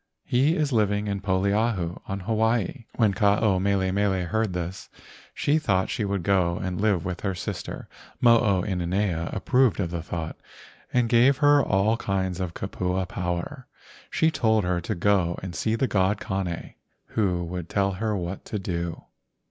He is living with Poliahu on Hawaii." When Ke ao mele mele heard this, she thought THE MAID OF THE GOLDEN CLOUD 139 she would go and live with her sister. Mo o ina nea approved of the thought and gaye her all kinds of kupua power. She told her to go and see the god Kane, who would tell her what to do.